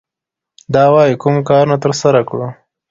دا وايي کوم کارونه ترسره کړو.